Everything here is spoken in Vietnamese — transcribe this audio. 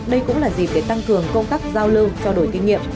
đây cũng là dịp để tăng cường công tắc giao lương cho đổi kinh nghiệm